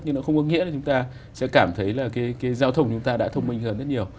nhưng nó không có nghĩa là chúng ta sẽ cảm thấy là cái giao thông chúng ta đã thông minh hơn rất nhiều